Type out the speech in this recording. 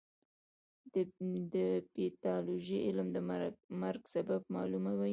د پیتالوژي علم د مرګ سبب معلوموي.